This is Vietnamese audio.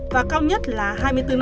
và cao nhất là hai mươi bốn năm tù